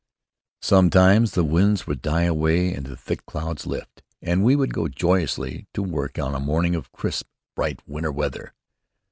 Sometimes the winds would die away and the thick clouds lift, and we would go joyously to work on a morning of crisp, bright winter weather.